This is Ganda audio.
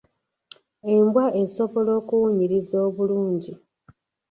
Embwa esobola okuwunyiriza obulungi.